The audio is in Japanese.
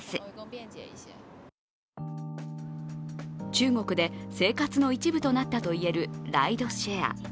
中国で生活の一部となったと言えるライドシェア。